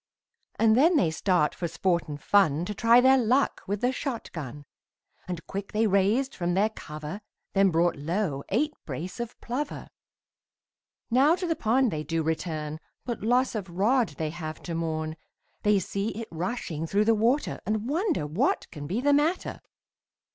And then they start for sport and fun, To try their luck with the shot gun, And quick they raised from their cover, Then brought low eight brace of plover. Now to the pond they do return, But loss of rod they have to mourn, They see it rushing through the water, And wonder what can be the matter.